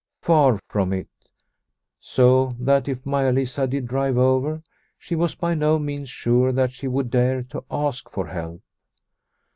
Far from it ; so that if Maia Lisa did drive over, she was by no means sure that she would dare to ask for help.